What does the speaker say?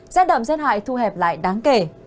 rết đậm rết hại thu hẹp lại đáng kể